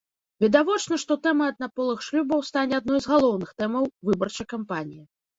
Відавочна, што тэма аднаполых шлюбаў стане адной з галоўных тэмаў выбарчай кампаніі.